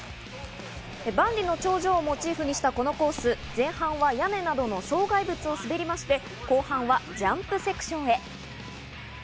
万里の長城をモチーフにしたこのコース、前半は屋根などの障害物を滑りまして、後半はジャンプセクションへ。